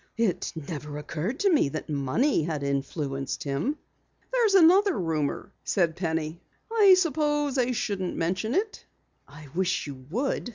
It never occurred to me that money had influenced him." "There's another rumor," said Penny. "I suppose I shouldn't mention it." "I wish you would."